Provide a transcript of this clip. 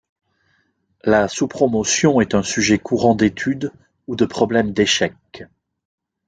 La sous-promotion est un sujet courant d’études ou de problèmes d'échecs.